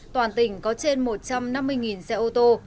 toàn tỉnh có trên một trăm năm mươi xe ô tô